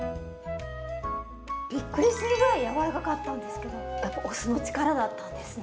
びっくりするぐらい柔らかかったんですけどやっぱお酢の力だったんですね。